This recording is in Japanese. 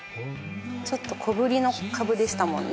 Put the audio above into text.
ちょっと小ぶりのカブでしたもんね